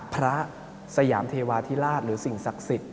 สยามเทวาธิราชหรือสิ่งศักดิ์สิทธิ